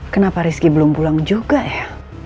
kenapa rizky belum pulang juga ya